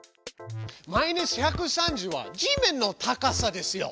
マイナス１３０は地面の高さですよ。